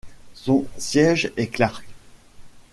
Son siège est Clark.